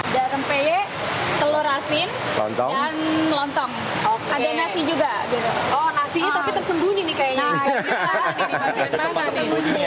jarempaye telur asin lontong dan lontong oke ada nasi juga oh nasinya tapi tersembunyi nih kayaknya